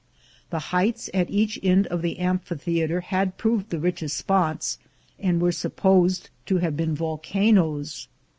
The heights at each end of the amphitheater had proved the richest spots, and were supposed to have been volcanoes.